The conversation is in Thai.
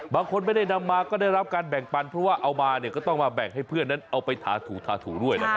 บางคนไม่ได้นำมาก็ได้รับการแบ่งปันเพราะว่าเอามาเนี่ยก็ต้องมาแบ่งให้เพื่อนนั้นเอาไปทาถูทาถูด้วยนะครับ